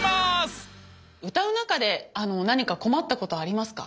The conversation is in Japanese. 歌う中で何か困ったことありますか？